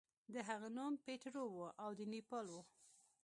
د هغه نوم پیټرو و او د نیپل و.